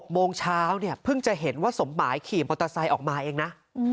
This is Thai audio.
โมงเช้าเนี่ยเพิ่งจะเห็นว่าสมหมายขี่มอเตอร์ไซค์ออกมาเองนะ